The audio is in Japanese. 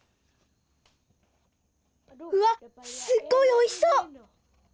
うわすっごいおいしそう！